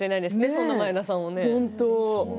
そんな前田さんは。